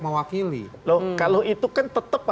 mewakili loh kalau itu kan tetap